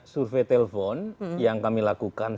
survey telpon yang kami lakukan